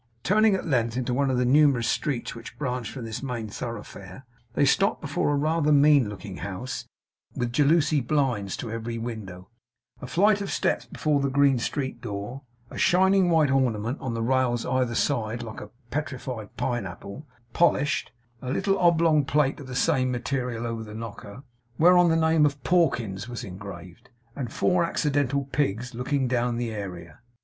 Turning, at length, into one of the numerous streets which branched from this main thoroughfare, they stopped before a rather mean looking house with jalousie blinds to every window; a flight of steps before the green street door; a shining white ornament on the rails on either side like a petrified pineapple, polished; a little oblong plate of the same material over the knocker whereon the name of 'Pawkins' was engraved; and four accidental pigs looking down the area.